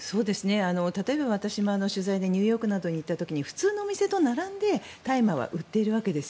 例えば、私も取材でニューヨークなどに行った時に普通のお店と並んで大麻は売っているわけです。